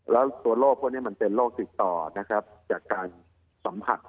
แล้วตัวโรคพวกนี้มันเป็นโรคติดต่อนะครับจากการสัมผัส